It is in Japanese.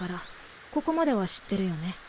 ここまでは知ってるよね？